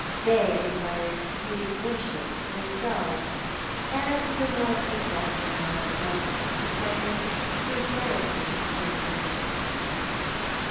They require to be worshipped themselves ; and the more exacting among them require sincerity in the worshipper.